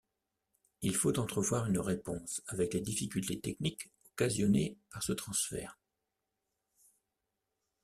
Il faut entrevoir une réponse avec les difficultés techniques occasionnées par ce transfert.